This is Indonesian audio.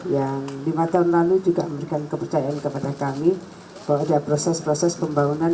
yang lima tahun lalu juga memberikan kepercayaan kepada kami bahwa ada proses proses pembangunan